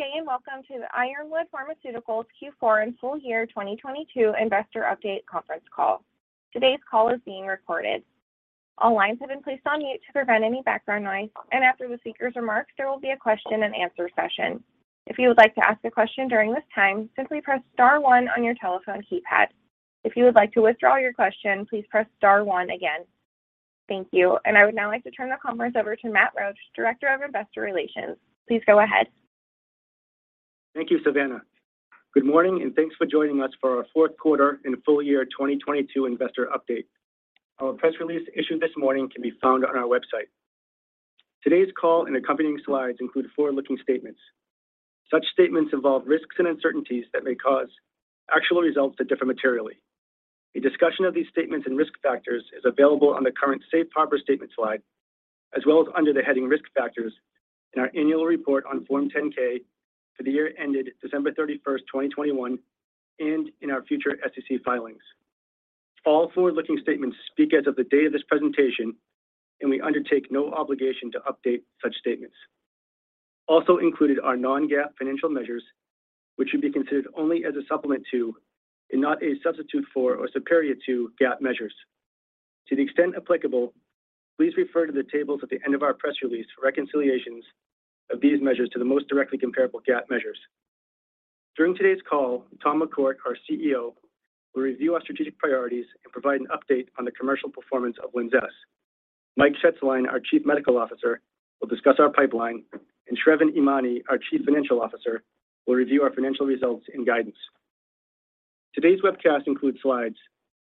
Good day, welcome to the Ironwood Pharmaceuticals Q4 and full year 2022 investor update conference call. Today's call is being recorded. All lines have been placed on mute to prevent any background noise, and after the speaker's remarks, there will be a question and answer session. If you would like to ask a question during this time, simply press star one on your telephone keypad. If you would like to withdraw your question, please press star one again. Thank you. I would now like to turn the conference over to Matt Roache, Director of Investor Relations. Please go ahead. Thank you, Savanna. Good morning, and thanks for joining us for our fourth quarter and full year 2022 investor update. Our press release issued this morning can be found on our website. Today's call and accompanying slides include forward-looking statements. Such statements involve risks and uncertainties that may cause actual results to differ materially. A discussion of these statements and risk factors is available on the current safe harbor statement slide, as well as under the heading Risk Factors in our annual report on Form 10-K for the year ended December 31st, 2021 and in our future SEC filings. All forward-looking statements speak as of the day of this presentation, and we undertake no obligation to update such statements. Also included are non-GAAP financial measures, which should be considered only as a supplement to and not a substitute for or superior to GAAP measures. To the extent applicable, please refer to the tables at the end of our press release for reconciliations of these measures to the most directly comparable GAAP measures. During today's call, Tom McCourt, our CEO, will review our strategic priorities and provide an update on the commercial performance of LINZESS. Michael Shetzline, our Chief Medical Officer, will discuss our pipeline, and Sravan Emany, our Chief Financial Officer, will review our financial results and guidance. Today's webcast includes slides.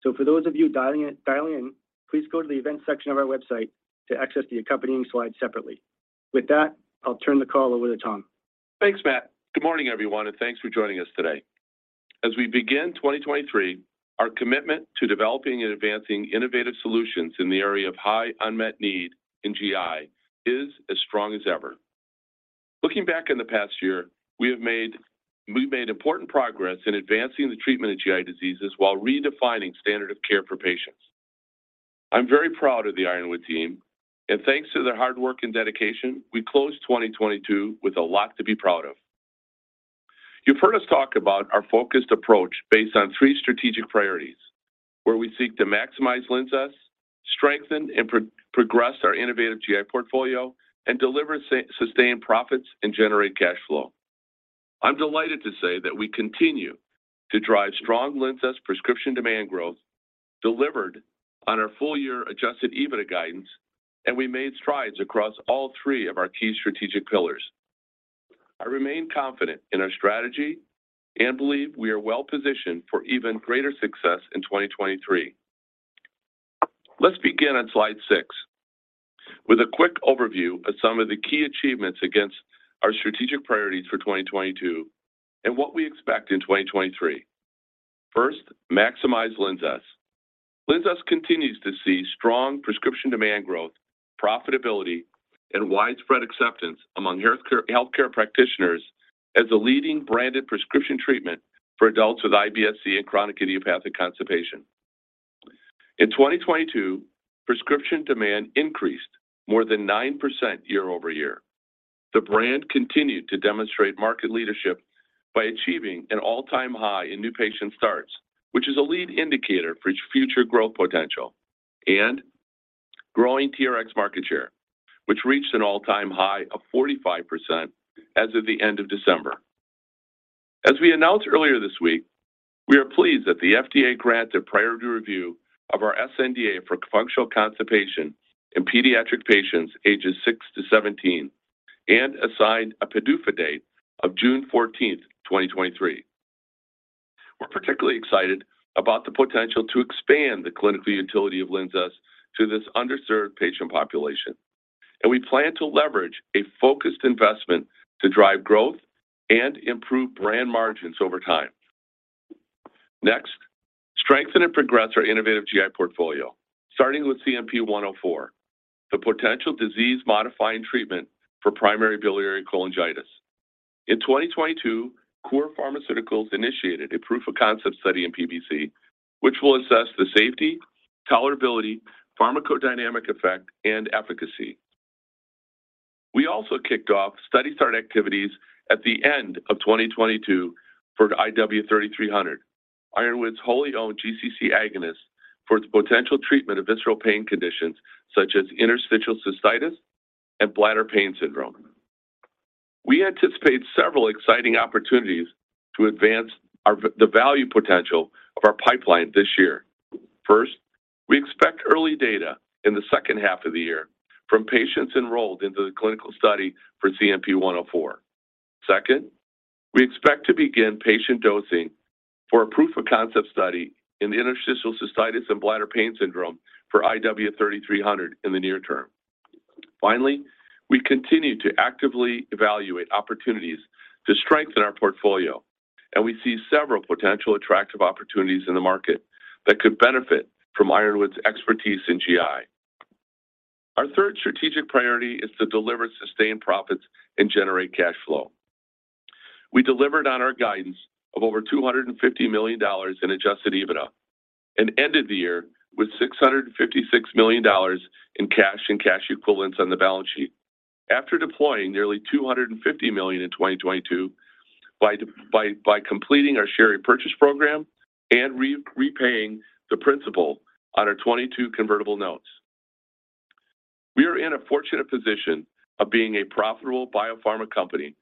For those of you dialing in, please go to the Events section of our website to access the accompanying slides separately. With that, I'll turn the call over to Thomas McCourt. Thanks, Matt Roache. Good morning, everyone, and thanks for joining us today. As we begin 2023, our commitment to developing and advancing innovative solutions in the area of high unmet need in GI is as strong as ever. Looking back in the past year, we've made important progress in advancing the treatment of GI diseases while redefining standard of care for patients. I'm very proud of the Ironwood team, and thanks to their hard work and dedication, we closed 2022 with a lot to be proud of. You've heard us talk about our focused approach based on three strategic priorities, where we seek to maximize LINZESS, strengthen and progress our innovative GI portfolio and deliver sustained profits and generate cash flow. I'm delighted to say that we continue to drive strong LINZESS prescription demand growth, delivered on our full-year Adjusted EBITDA guidance, and we made strides across all three of our key strategic pillars. I remain confident in our strategy and believe we are well positioned for even greater success in 2023. Let's begin on slide 6 with a quick overview of some of the key achievements against our strategic priorities for 2022 and what we expect in 2023. First, maximize LINZESS. LINZESS continues to see strong prescription demand growth, profitability, and widespread acceptance among healthcare practitioners as a leading branded prescription treatment for adults with IBS-C and chronic idiopathic constipation. In 2022, prescription demand increased more than 9% year-over-year. The brand continued to demonstrate market leadership by achieving an all-time high in new patient starts, which is a lead indicator for future growth potential and growing TRX market share, which reached an all-time high of 45% as of the end of December. We announced earlier this week, we are pleased that the FDA granted priority review of our sNDA for functional constipation in pediatric patients ages six to 17 and assigned a PDUFA date of June 14, 2023. We're particularly excited about the potential to expand the clinical utility of LINZESS to this underserved patient population, and we plan to leverage a focused investment to drive growth and improve brand margins over time. Strengthen and progress our innovative GI portfolio, starting with CNP-104, the potential disease-modifying treatment for primary biliary cholangitis. In 2022, Cour Pharmaceuticals initiated a proof of concept study in PBC, which will assess the safety, tolerability, pharmacodynamic effect, and efficacy. We also kicked off study start activities at the end of 2022 for IW-3300, Ironwood's wholly owned GC-C agonist for the potential treatment of visceral pain conditions such as interstitial cystitis and bladder pain syndrome. We anticipate several exciting opportunities to advance our the value potential of our pipeline this year. First, we expect early data in the second half of the year from patients enrolled into the clinical study for CNP-104. Second, we expect to begin patient dosing for a proof of concept study in interstitial cystitis and bladder pain syndrome for IW-3300 in the near term. We continue to actively evaluate opportunities to strengthen our portfolio, and we see several potential attractive opportunities in the market that could benefit from Ironwood's expertise in GI. Our third strategic priority is to deliver sustained profits and generate cash flow. We delivered on our guidance of over $250 million in Adjusted EBITDA. Ended the year with $656 million in cash and cash equivalents on the balance sheet. After deploying nearly $250 million in 2022 by completing our share repurchase program and repaying the principal on our 2022 convertible notes. We are in a fortunate position of being a profitable biopharma company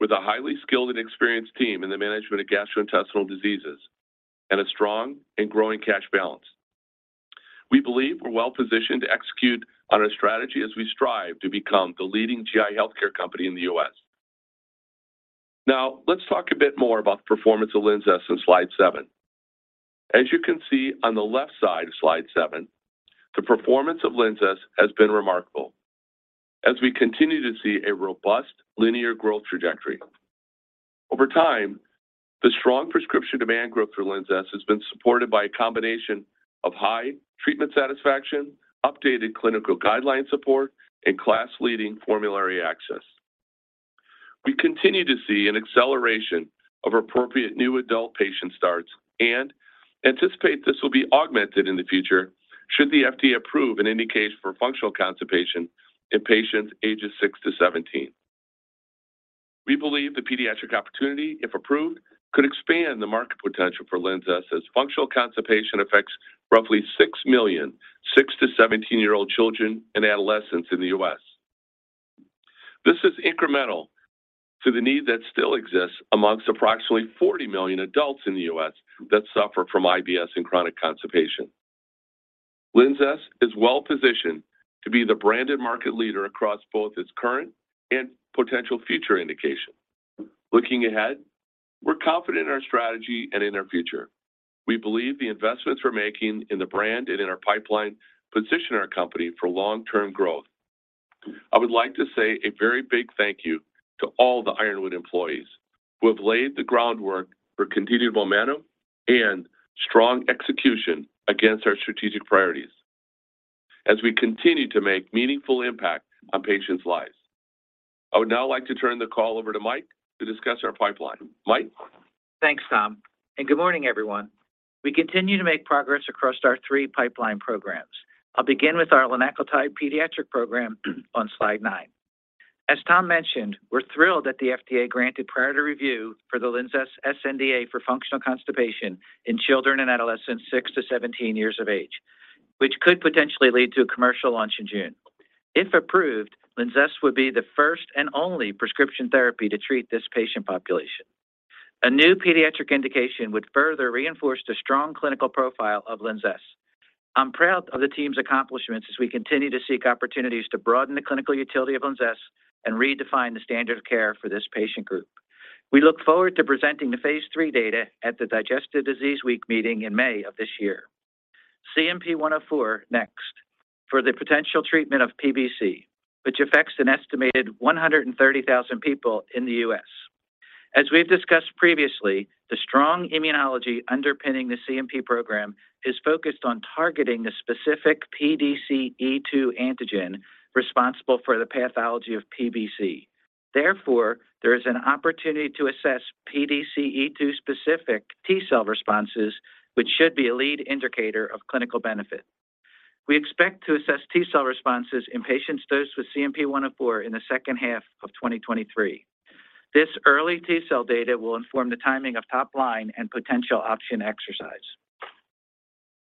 with a highly skilled and experienced team in the management of gastrointestinal diseases and a strong and growing cash balance. We believe we're well-positioned to execute on our strategy as we strive to become the leading GI healthcare company in the US Let's talk a bit more about the performance of LINZESS in slide seven. As you can see on the left side of slide seven, the performance of LINZESS has been remarkable as we continue to see a robust linear growth trajectory. Over time, the strong prescription demand growth for LINZESS has been supported by a combination of high treatment satisfaction, updated clinical guideline support, and class-leading formulary access. We continue to see an acceleration of appropriate new adult patient starts and anticipate this will be augmented in the future should the FDA approve an indication for functional constipation in patients ages six to 17. We believe the pediatric opportunity, if approved, could expand the market potential for LINZESS as functional constipation affects roughly 6 million six to 17-year-old children and adolescents in the US This is incremental to the need that still exists amongst approximately 40 million adults in the US that suffer from IBS and chronic constipation. LINZESS is well-positioned to be the branded market leader across both its current and potential future indication. Looking ahead, we're confident in our strategy and in our future. We believe the investments we're making in the brand and in our pipeline position our company for long-term growth. I would like to say a very big thank you to all the Ironwood employees who have laid the groundwork for continued momentum and strong execution against our strategic priorities as we continue to make meaningful impact on patients' lives. I would now like to turn the call over to Michael Shetzline to discuss our pipeline. Michael Shetzline? Thanks, Thomas McCourt. Good morning, everyone. We continue to make progress across our three pipeline programs. I'll begin with our linaclotide pediatric program on slide nine. As Thomas McCourt mentioned, we're thrilled that the FDA granted priority review for the LINZESS sNDA for functional constipation in children and adolescents six to 17 years of age, which could potentially lead to a commercial launch in June. If approved, LINZESS would be the first and only prescription therapy to treat this patient population. A new pediatric indication would further reinforce the strong clinical profile of LINZESS. I'm proud of the team's accomplishments as we continue to seek opportunities to broaden the clinical utility of LINZESS and redefine the standard of care for this patient group. We look forward to presenting the phase three data at the Digestive Disease Week meeting in May of this year. CNP-104 next for the potential treatment of PBC, which affects an estimated 130,000 people in the U.S. As we've discussed previously, the strong immunology underpinning the CNP program is focused on targeting the specific PDC-E2 antigen responsible for the pathology of PBC. Therefore, there is an opportunity to assess PDC-E2 specific T-cell responses, which should be a lead indicator of clinical benefit. We expect to assess T-cell responses in patients dosed with CNP-104 in the second half of 2023. This early T-cell data will inform the timing of top line and potential option exercise.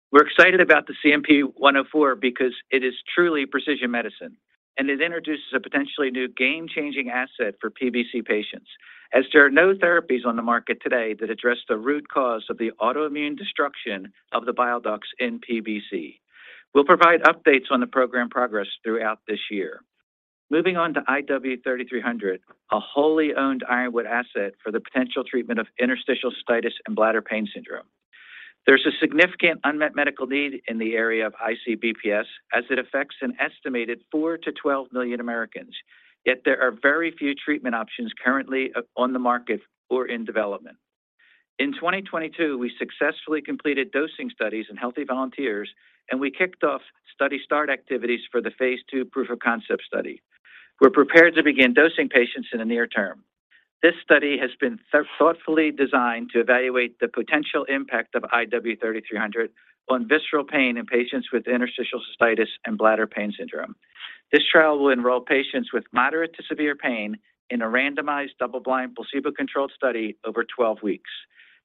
We're excited about the CNP-104 because it is truly precision medicine. It introduces a potentially new game-changing asset for PBC patients, as there are no therapies on the market today that address the root cause of the autoimmune destruction of the bile ducts in PBC. We'll provide updates on the program progress throughout this year. Moving on to IW-3300, a wholly owned Ironwood asset for the potential treatment of interstitial cystitis and bladder pain syndrome. There's a significant unmet medical need in the area of IC/BPS, as it affects an estimated 4-12 million Americans, yet there are very few treatment options currently on the market or in development. In 2022, we successfully completed dosing studies in healthy volunteers. We kicked off study start activities for the phase 2 proof of concept study. We're prepared to begin dosing patients in the near term. This study has been thoughtfully designed to evaluate the potential impact of IW-3300 on visceral pain in patients with interstitial cystitis and bladder pain syndrome. This trial will enroll patients with moderate to severe pain in a randomized, double-blind, placebo-controlled study over 12 weeks.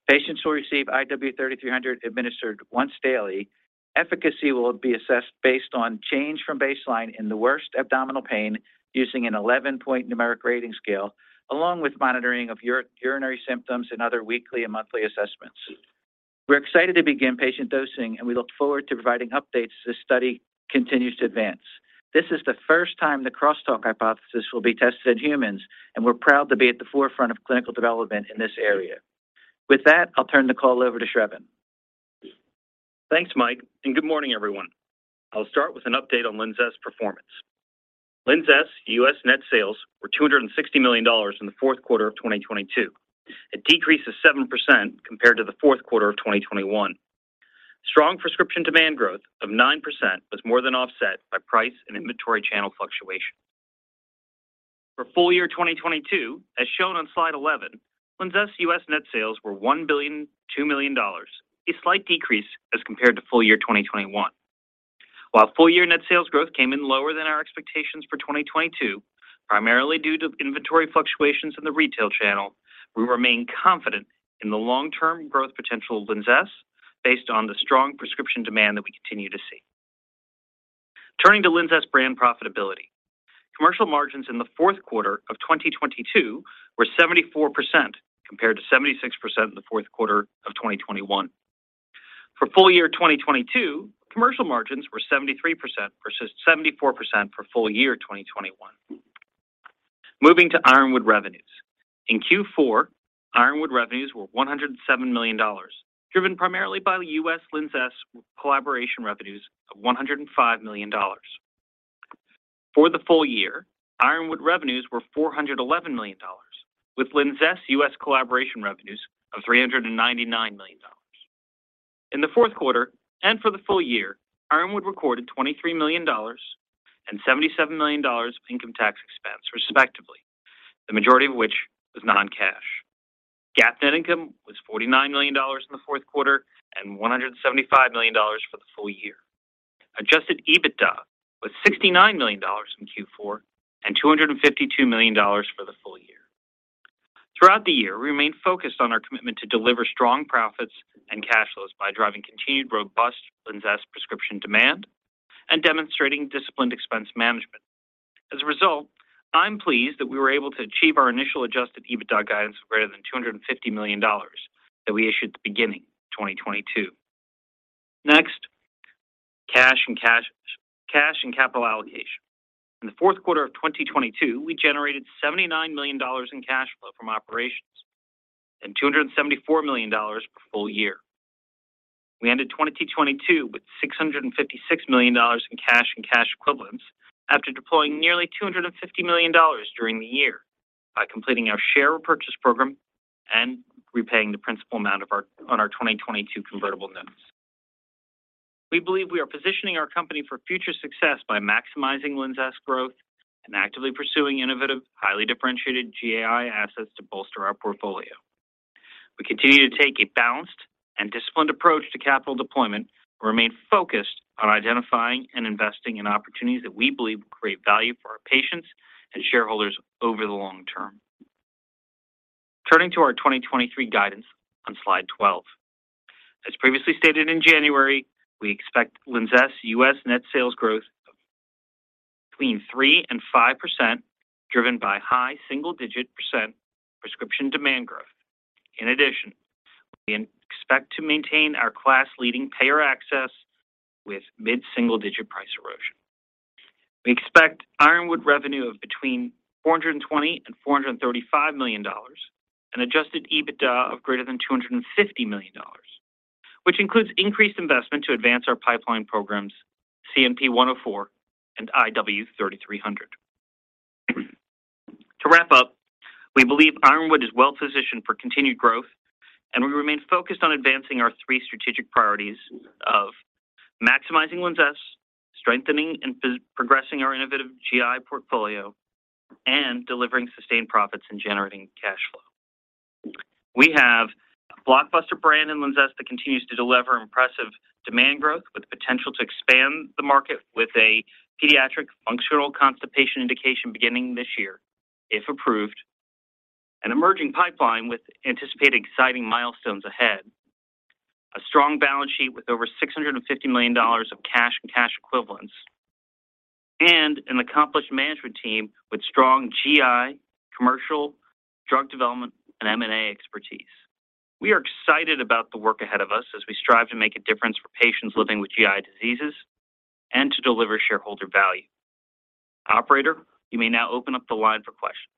Patients will receive IW-3300 administered once daily. Efficacy will be assessed based on change from baseline in the worst abdominal pain using an 11-point numeric rating scale along with monitoring of urinary symptoms and other weekly and monthly assessments. We're excited to begin patient dosing, and we look forward to providing updates as this study continues to advance. This is the first time the crosstalk hypothesis will be tested in humans, and we're proud to be at the forefront of clinical development in this area. With that, I'll turn the call over to Sravan Emany. Thanks, Michael Shetzline. Good morning, everyone. I'll start with an update on LINZESS performance. LINZESS US net sales were $260 million in the fourth quarter of 2022. A decrease of 7% compared to the fourth quarter of 2021. Strong prescription demand growth of 9% was more than offset by price and inventory channel fluctuation. For full year 2022, as shown on slide 11, LINZESS US net sales were $1.002 billion, a slight decrease as compared to full year 2021. While full year net sales growth came in lower than our expectations for 2022, primarily due to inventory fluctuations in the retail channel, we remain confident in the long-term growth potential of LINZESS based on the strong prescription demand that we continue to see. Turning to LINZESS brand profitability. Commercial margins in the fourth quarter of 2022 were 74% compared to 76% in the fourth quarter of 2021. For full year 2022, commercial margins were 73% versus 74% for full year 2021. Moving to Ironwood revenues. In Q4, Ironwood revenues were $107 million, driven primarily by US LINZESS collaboration revenues of $105 million. For the full year, Ironwood revenues were $411 million, with LINZESS U.S. collaboration revenues of $399 million. In the fourth quarter, for the full year, Ironwood recorded $23 million and $77 million of income tax expense, respectively. The majority of which was non-cash. GAAP net income was $49 million in the fourth quarter and $175 million for the full year. Adjusted EBITDA was $69 million in Q4 and $252 million for the full year. Throughout the year, we remained focused on our commitment to deliver strong profits and cash flows by driving continued robust LINZESS prescription demand and demonstrating disciplined expense management. As a result, I'm pleased that we were able to achieve our initial Adjusted EBITDA guidance of greater than $250 million that we issued at the beginning of 2022. Next, cash and capital allocation. In the fourth quarter of 2022, we generated $79 million in cash flow from operations and $274 million for full year. We ended 2022 with $656 million in cash and cash equivalents after deploying nearly $250 million during the year by completing our share repurchase program and repaying the principal amount on our 2022 convertible notes. We believe we are positioning our company for future success by maximizing LINZESS growth and actively pursuing innovative, highly differentiated GI assets to bolster our portfolio. We continue to take a balanced and disciplined approach to capital deployment and remain focused on identifying and investing in opportunities that we believe will create value for our patients and shareholders over the long term. Turning to our 2023 guidance on slide 12. As previously stated in January, we expect LINZESS US net sales growth of between 3% and 5%, driven by high single-digit % prescription demand growth. We expect to maintain our class-leading payer access with mid-single-digit price erosion. We expect Ironwood revenue of between $420 million and $435 million and Adjusted EBITDA of greater than $250 million, which includes increased investment to advance our pipeline programs CNP-104 and IW-3300. To wrap up, we believe Ironwood is well-positioned for continued growth, we remain focused on advancing our three strategic priorities of maximizing LINZESS, strengthening and progressing our innovative GI portfolio, and delivering sustained profits and generating cash flow. We have a blockbuster brand in LINZESS that continues to deliver impressive demand growth with the potential to expand the market with a pediatric functional constipation indication beginning this year, if approved. An emerging pipeline with anticipated exciting milestones ahead. A strong balance sheet with over $650 million of cash and cash equivalents. An accomplished management team with strong GI, commercial, drug development, and M&A expertise. We are excited about the work ahead of us as we strive to make a difference for patients living with GI diseases and to deliver shareholder value. Operator, you may now open up the line for questions.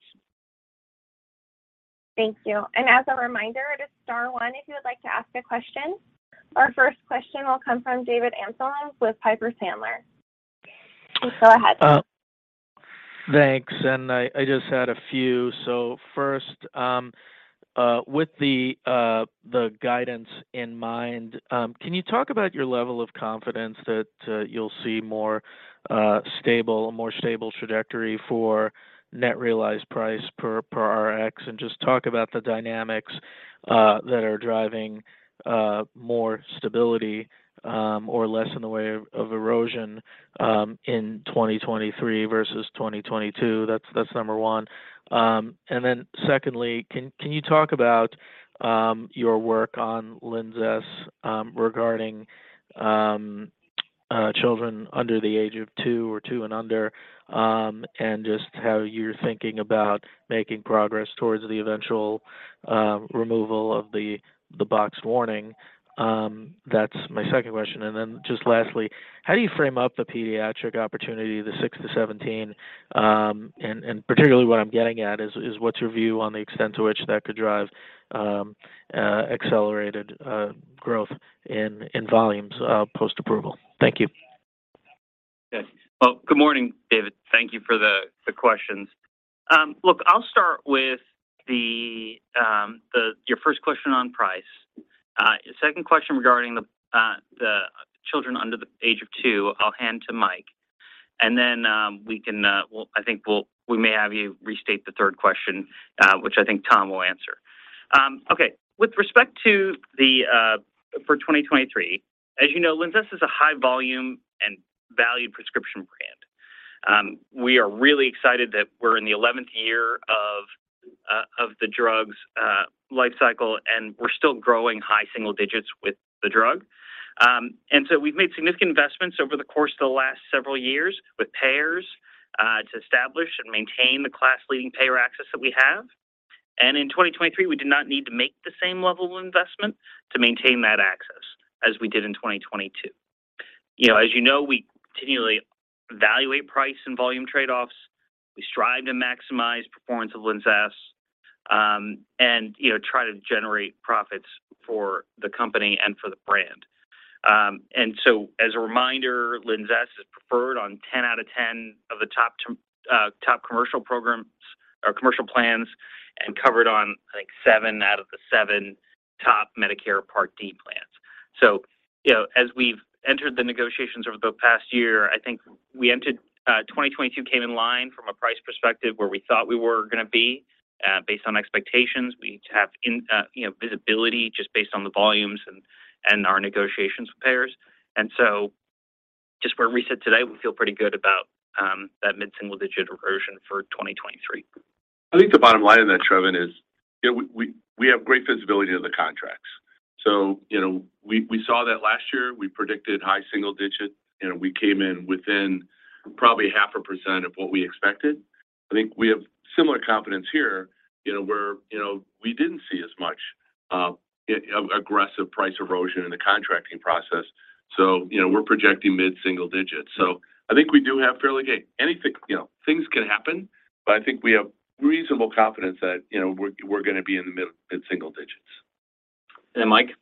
Thank you. As a reminder, it is star one if you would like to ask a question. Our 1st question will come from David Amsellem with Piper Sandler. Please go ahead. Thanks. I just had a few. First, with the guidance in mind, can you talk about your level of confidence that you'll see a more stable trajectory for net realized price per Rx? Just talk about the dynamics that are driving more stability, or less in the way of erosion, in 2023 versus 2022. That's number one. Secondly, can you talk about your work on LINZESS regarding children under the age of two or two and under, and just how you're thinking about making progress towards the eventual removal of the box warning? That's my second question. Just lastly, how do you frame up the pediatric opportunity, the six to 17, and particularly what I'm getting at is what's your view on the extent to which that could drive accelerated growth in volumes post-approval? Thank you. Yes. Well, good morning, David Amsellem. Thank you for the questions. Look, I'll start with your first question on price. The second question regarding the children under the age of 2, I'll hand to Michael Shetzline, and then we can we may have you restate the third question, which I think Thomas McCourt will answer. Okay. With respect to 2023, as you know, LINZESS is a high volume and value prescription brand. We are really excited that we're in the 11th year of the drug's life cycle, and we're still growing high single digits with the drug. We've made significant investments over the course of the last several years with payers to establish and maintain the class-leading payer access that we have. In 2023, we did not need to make the same level of investment to maintain that access as we did in 2022. You know, as you know, we continually evaluate price and volume trade-offs. We strive to maximize performance of LINZESS, and try to generate profits for the company and for the brand. As a reminder, LINZESS is preferred on 10 out of 10 of the top commercial programs or commercial plans and covered on, like, 7 out of the 7 top Medicare Part D plans. As we've entered the negotiations over the past year, I think 2022 came in line from a price perspective where we thought we were going to be based on expectations. We have in, you know, visibility just based on the volumes and our negotiations with payers. Just where we sit today, we feel pretty good about that mid-single-digit erosion for 2023. I think the bottom line in that, Trevor, is, you know, we have great visibility into the contracts. We saw that last year. We predicted high single-digit, and we came in within probably 0.5% of what we expected. I think we have similar confidence here, you know, where, you know, we didn't see as much aggressive price erosion in the contracting process, so, you know, we're projecting mid-single-digit. I think we do have fairly good. Anything, you know, things can happen, but I think we have reasonable confidence that, you know, we're going to be in the mid-single-digits. Michael Shetzline? Yeah,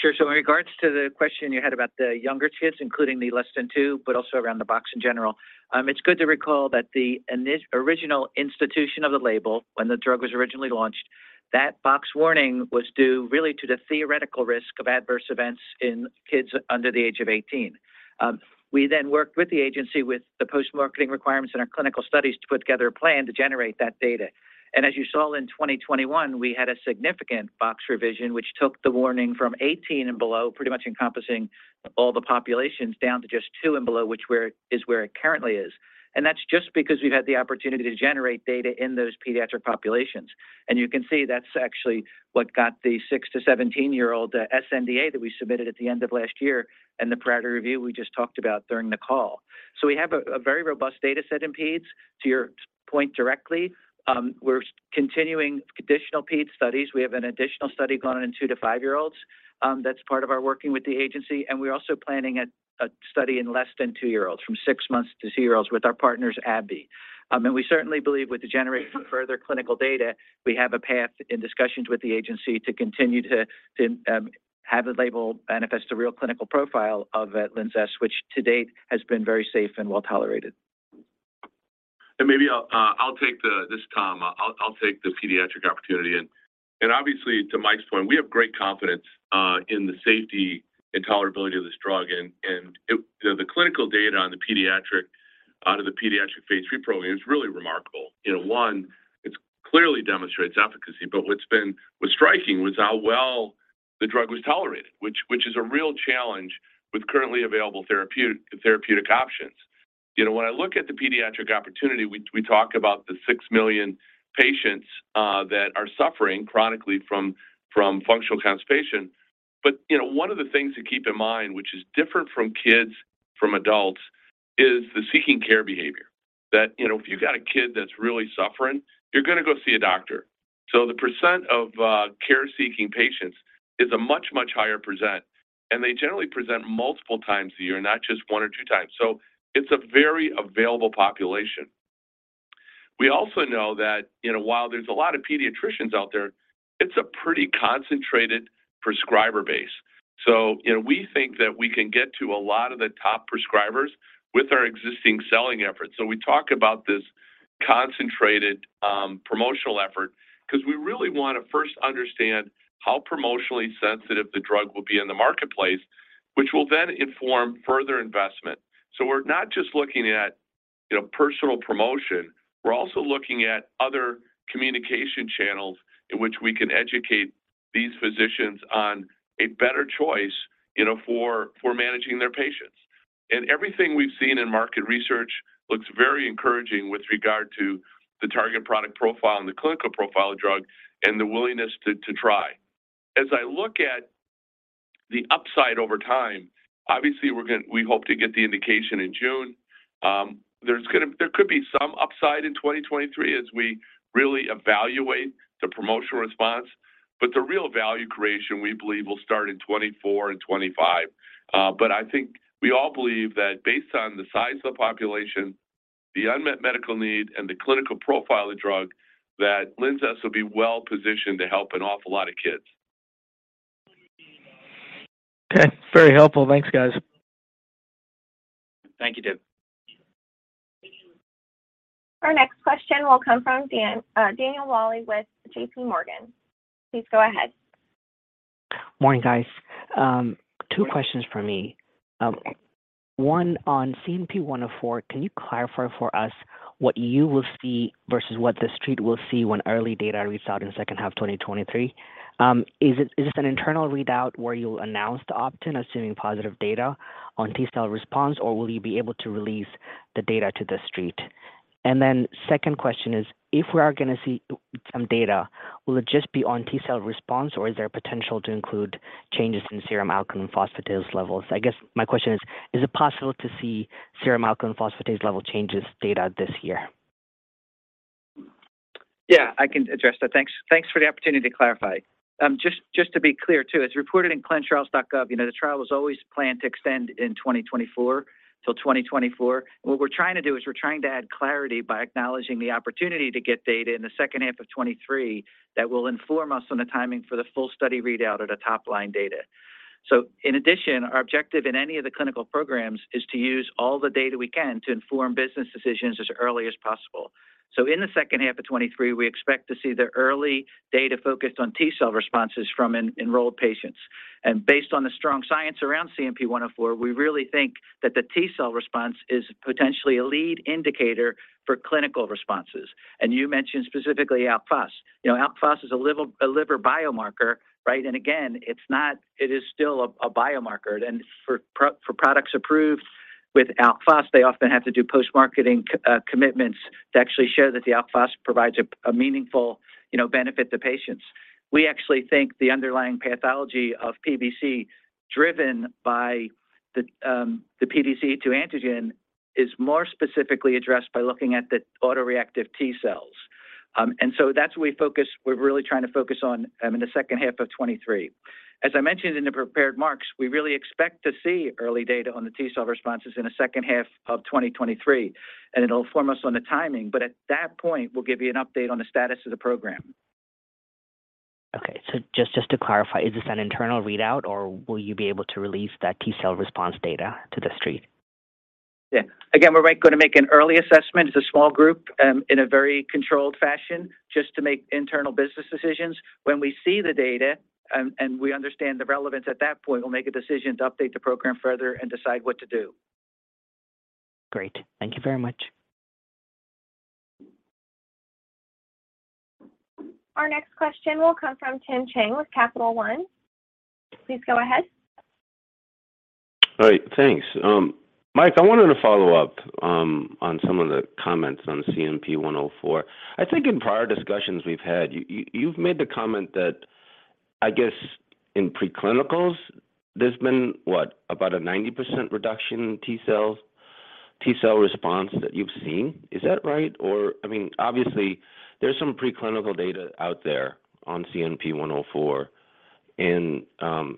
sure. In regards to the question you had about the younger kids, including the less than 2, but also around the box in general, it's good to recall that the original institution of the label when the drug was originally launched, that box warning was due really to the theoretical risk of adverse events in kids under the age of 18. We worked with the agency with the post-marketing requirements in our clinical studies to put together a plan to generate that data. As you saw in 2021, we had a significant box revision which took the warning from 18 and below, pretty much encompassing all the populations, down to just 2 and below which is where it currently is. That's just because we've had the opportunity to generate data in those pediatric populations. You can see that's actually what got the six-17-year-old sNDA that we submitted at the end of last year and the priority review we just talked about during the call. We have a very robust data set in pedes. To your point directly, we're continuing additional pede studies. We have an additional study going on in two-five-year-olds that's part of our working with the agency, and we're also planning a study in less than two-year-olds, from six months to zero's, with our partners, AbbVie. I mean, we certainly believe with the generation of further clinical data, we have a path in discussions with the agency to continue to have the label manifest a real clinical profile of LINZESS, which to date has been very safe and well-tolerated. Maybe I'll take the. This is Thomas McCourt. I'll take the pediatric opportunity. Obviously, to Michael Shetzline's point, we have great confidence in the safety and tolerability of this drug and it. You know, the clinical data on the pediatric, out of the pediatric phase three program is really remarkable. You know, one, it clearly demonstrates efficacy, but what was striking was how well the drug was tolerated, which is a real challenge with currently available therapeutic options. You know, when I look at the pediatric opportunity, we talk about the 6 million patients that are suffering chronically from functional constipation. You know, one of the things to keep in mind, which is different from kids from adults, is the seeking care behavior. You know, if you got a kid that's really suffering, you're going to go see a doctor. The % of care-seeking patients is a much, much higher %, and they generally present multiple times a year, not just one or two times. It's a very available population. We also know that, you know, while there's a lot of pediatricians out there, it's a pretty concentrated prescriber base. You know, we think that we can get to a lot of the top prescribers with our existing selling efforts. We talk about this concentrated promotional effort 'cause we really want to first understand how promotionally sensitive the drug will be in the marketplace, which will then inform further investment. We're not just looking at, you know, personal promotion. We're also looking at other communication channels in which we can educate these physicians on a better choice, you know, for managing their patients. Everything we've seen in market research looks very encouraging with regard to the target product profile and the clinical profile of the drug and the willingness to try. As I look at the upside over time, obviously we hope to get the indication in June. There could be some upside in 2023 as we really evaluate the promotional response. The real value creation, we believe, will start in 24 and 25. I think we all believe that based on the size of the population, the unmet medical need, and the clinical profile of the drug, that LINZESS will be well-positioned to help an awful lot of kids. Okay. Very helpful. Thanks, guys. Thank you, Thomas McCourt. Our next question will come from Daniel Wolle, Daniel Wolle with JPMorgan. Please go ahead. Morning, guys. Two questions from me. One on CNP-104, can you clarify for us what you will see versus what the street will see when early data reads out in the second half of 2023? Is it an internal readout where you'll announce the opt-in assuming positive data on T-cell response, or will you be able to release the data to the street? Second question is, if we are going to see some data, will it just be on T-cell response, or is there potential to include changes in serum alkaline phosphatase levels? I guess my question is it possible to see serum alkaline phosphatase level changes data this year? Yeah, I can address that. Thanks. Thanks for the opportunity to clarify. Just to be clear too, as reported in ClinicalTrials.gov, you know, the trial was always planned to extend in 2024, till 2024. What we're trying to do is we're trying to add clarity by acknowledging the opportunity to get data in the second half of 2023 that will inform us on the timing for the full study readout of the top-line data. In addition, our objective in any of the clinical programs is to use all the data we can to inform business decisions as early as possible. In the second half of 2023, we expect to see the early data focused on T-cell responses from enrolled patients. Based on the strong science around CNP-104, we really think that the T-cell response is potentially a lead indicator for clinical responses. You mentioned specifically ALP. You know, ALP is a liver biomarker, right? Again, it is still a biomarker. For products approved with ALP, they often have to do post-marketing commitments to actually show that the ALP provides a meaningful, you know, benefit to patients. We actually think the underlying pathology of PBC driven by the PDC-E2 to antigen is more specifically addressed by looking at the autoreactive T cells. That's what we're really trying to focus on in the second half of 2023. As I mentioned in the prepared marks, we really expect to see early data on the T-cell responses in the second half of 2023, and it'll inform us on the timing. At that point, we'll give you an update on the status of the program. Okay. Just to clarify, is this an internal readout, or will you be able to release that T-cell response data to the street? Yeah. Again, we're going to make an early assessment as a small group, in a very controlled fashion just to make internal business decisions. When we see the data and we understand the relevance at that point, we'll make a decision to update the program further and decide what to do. Great. Thank you very much. Our next question will come from Tim Chiang with Capital One. Please go ahead. All right. Thanks. Michael Shetzline, I wanted to follow up on some of the comments on CNP-104. I think in prior discussions we've had, you've made the comment that, I guess, in preclinicals, there's been, what? About a 90% reduction in T cells, T cell response that you've seen. Is that right? I mean, obviously, there's some preclinical data out there on CNP-104 and,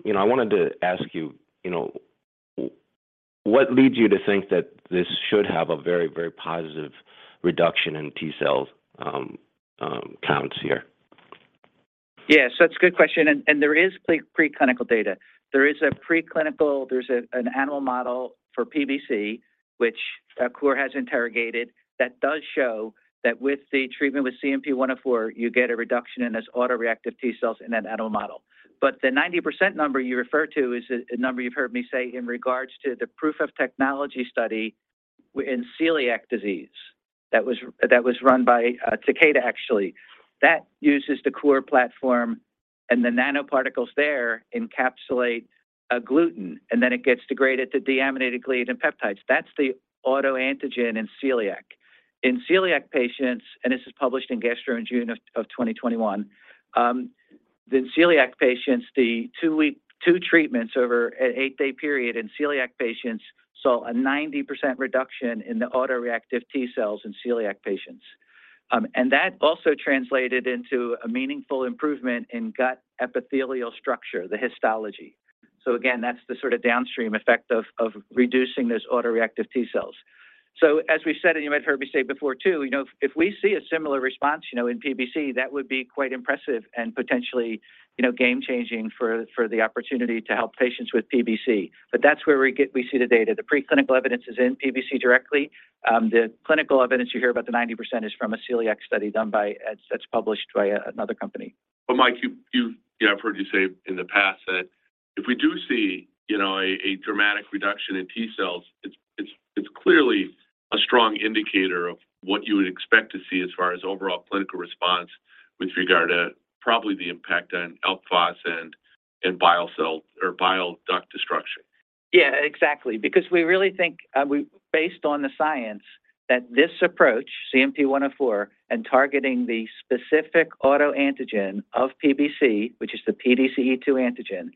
you know, I wanted to ask you know, what leads you to think that this should have a very, very positive reduction in T cells counts here? Yeah. That's a good question. There is preclinical data. There's an animal model for PBC, which Cour has interrogated that does show that with the treatment with CNP-104, you get a reduction in this autoreactive T cells in that animal model. The 90% number you refer to is a number you've heard me say in regards to the proof of technology study in celiac disease that was run by Takeda, actually. That uses the Cour platform and the nanoparticles there encapsulate gluten, and then it gets degraded to deaminated gliadin peptides. That's the autoantigen in celiac. In celiac patients, and this is published in Gastroenterology in June of 2021. The celiac patients, the two-week, two treatments over an eight-day period in celiac patients saw a 90% reduction in the autoreactive T cells in celiac patients. That also translated into a meaningful improvement in gut epithelial structure, the histology. Again, that's the sort of downstream effect of reducing those autoreactive T cells. As we said, and you might have heard me say before, too, you know, if we see a similar response, you know, in PBC, that would be quite impressive and potentially, you know, game-changing for the opportunity to help patients with PBC. That's where we see the data. The preclinical evidence is in PBC directly. The clinical evidence you hear about the 90% is from a celiac study done by that's published by another company. Michael Shetzline, you've Yeah, I've heard you say in the past that if we do see, you know, a dramatic reduction in T cells, it's clearly a strong indicator of what you would expect to see as far as overall clinical response with regard to probably the impact on ALP and bile salt or bile duct destruction. Yeah, exactly. We really think, based on the science, that this approach, CNP-104, and targeting the specific autoantigen of PBC, which is the PDC-E2 antigen,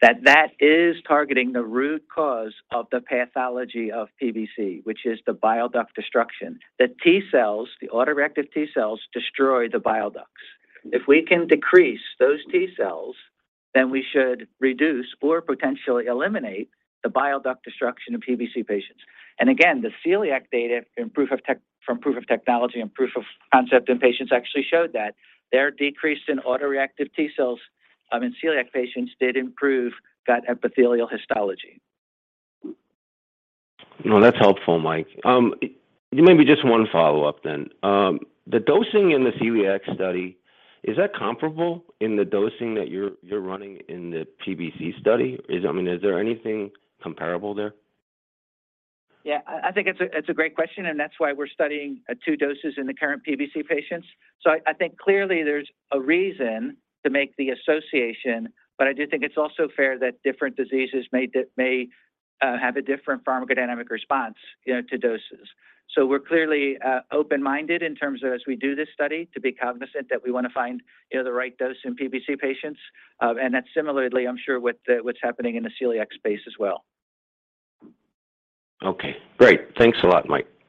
that that is targeting the root cause of the pathology of PBC, which is the bile duct destruction. The T cells, the autoreactive T cells, destroy the bile ducts. If we can decrease those T cells, then we should reduce or potentially eliminate the bile duct destruction in PBC patients. Again, the celiac data in proof of technology and proof of concept in patients actually showed that their decrease in autoreactive T cells, in celiac patients did improve gut epithelial histology. No, that's helpful, Michael Shetzline. Maybe just one follow-up then. The dosing in the celiac study, is that comparable in the dosing that you're running in the PBC study? I mean, is there anything comparable there? I think it's a great question, and that's why we're studying two doses in the current PBC patients. I think clearly there's a reason to make the association, but I do think it's also fair that different diseases may have a different pharmacodynamic response, you know, to doses. We're clearly open-minded in terms of as we do this study to be cognizant that we want to find, you know, the right dose in PBC patients. Similarly I'm sure with what's happening in the celiac space as well. Okay, great. Thanks a lot, Michael Shetzline.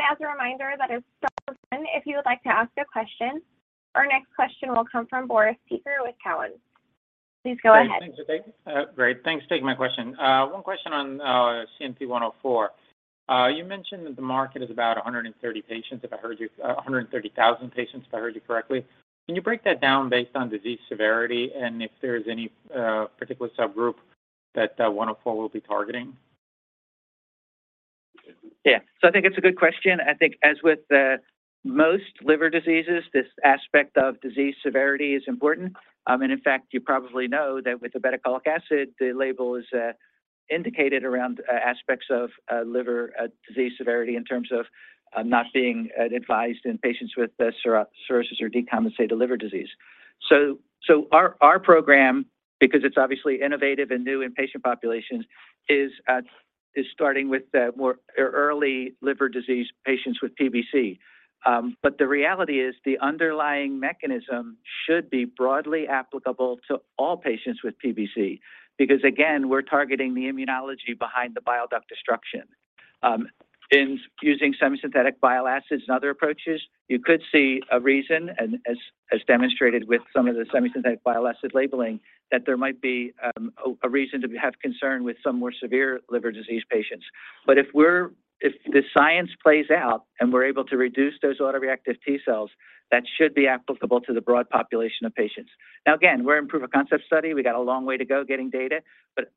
As a reminder, that is star one if you would like to ask a question. Our next question will come from Boris Peaker with Cowen. Please go ahead. Great. Thanks for taking my question. One question on CNP-104. You mentioned that the market is about 130,000 patients, if I heard you correctly. Can you break that down based on disease severity and if there is any particular subgroup that 104 will be targeting? Yeah. I think it's a good question. I think as with most liver diseases, this aspect of disease severity is important. And in fact, you probably know that with ursodeoxycholic acid, the label is indicated around aspects of liver disease severity in terms of not being advised in patients with cirrhosis or decompensated liver disease. Our program, because it's obviously innovative and new in patient populations, is starting with more early liver disease patients with PBC. The reality is the underlying mechanism should be broadly applicable to all patients with PBC because, again, we're targeting the immunology behind the bile duct destruction. In using semisynthetic bile acids and other approaches, you could see a reason, and as demonstrated with some of the semisynthetic bile acid labeling, that there might be a reason to have concern with some more severe liver disease patients. If the science plays out and we're able to reduce those autoreactive T-cells, that should be applicable to the broad population of patients. Now, again, we're in proof of concept study. We got a long way to go getting data.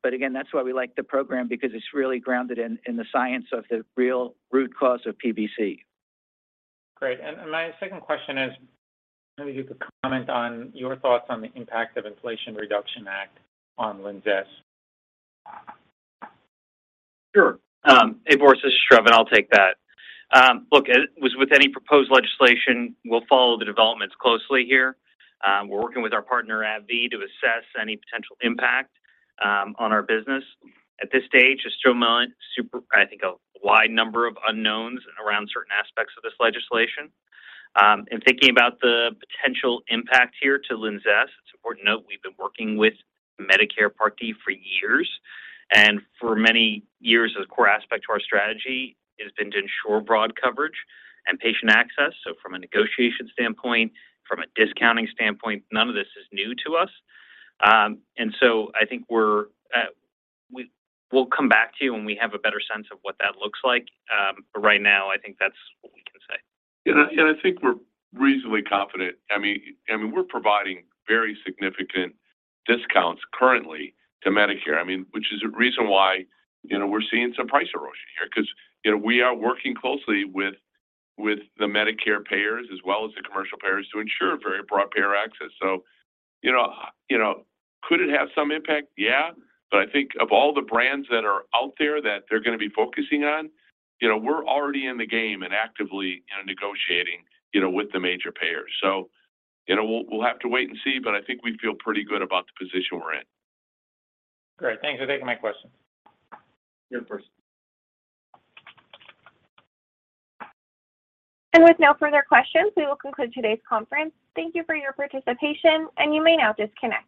Again, that's why we like the program because it's really grounded in the science of the real root cause of PBC. Great. My second question is maybe you could comment on your thoughts on the impact of Inflation Reduction Act on LINZESS? Sure. Hey, Boris Peaker, this is Sravan Emany, and I'll take that. Look, as with any proposed legislation, we'll follow the developments closely here. We're working with our partner, AbbVie, to assess any potential impact on our business. At this stage, just so, I think a wide number of unknowns around certain aspects of this legislation. In thinking about the potential impact here to LINZESS, it's important to note we've been working with Medicare Part D for years. For many years, as a core aspect to our strategy, it has been to ensure broad coverage and patient access. From a negotiation standpoint, from a discounting standpoint, none of this is new to us. I think we'll come back to you when we have a better sense of what that looks like. Right now I think that's what we can say. I think we're reasonably confident. I mean, we're providing very significant discounts currently to Medicare. I mean, which is a reason why, you know, we're seeing some price erosion here because, you know, we are working closely with the Medicare payers as well as the commercial payers to ensure very broad payer access. You know, could it have some impact? Yeah. I think of all the brands that are out there that they're gonna be focusing on, you know, we're already in the game and actively, you know, negotiating, you know, with the major payers. You know, we'll have to wait and see, but I think we feel pretty good about the position we're in. Great. Thanks for taking my question. Yeah, of course. With no further questions, we will conclude today's conference. Thank you for your participation, and you may now disconnect.